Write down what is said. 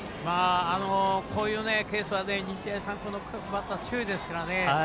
こういうケースは日大三高のバッター強いですからね。